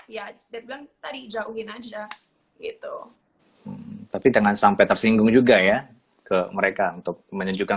ya bilang tadi jauhin aja gitu tapi jangan sampai tersinggung juga ya ke mereka untuk menunjukkan